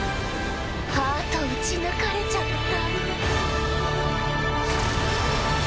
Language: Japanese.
ハート撃ち抜かれちゃった。